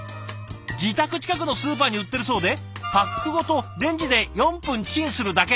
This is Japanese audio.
自宅近くのスーパーに売ってるそうでパックごとレンジで４分チンするだけ。